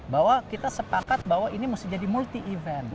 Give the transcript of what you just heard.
bahwa kita sepakat bahwa ini mesti jadi multi event